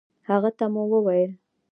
هغه ته مو وويل